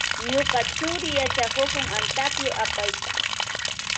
Ñuka churi yachakukun antapyuta apayta.